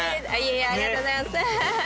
ありがとうございます。